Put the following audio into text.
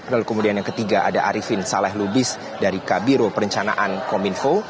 lalu kemudian yang ketiga ada arifin saleh lubis dari kabiro perencanaan kominfo